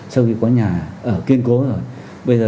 sau khi có nhà kiên cố rồi